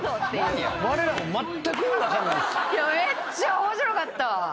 めっちゃ面白かった。